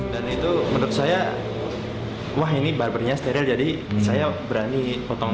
dan itu menurut saya wah ini barbernya steril jadi saya berani potong